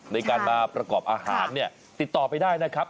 ในการมาประกอบอาหารเนี่ยติดต่อไปได้นะครับ